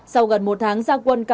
sau gần một tháng